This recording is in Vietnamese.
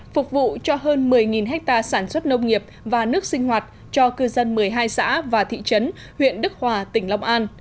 phục vụ cho hơn một mươi hectare sản xuất nông nghiệp và nước sinh hoạt cho cư dân một mươi hai xã và thị trấn huyện đức hòa tỉnh long an